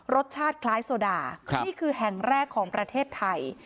รสชาติคล้ายโซดานี่คือแห่งแรกของประเทศไทย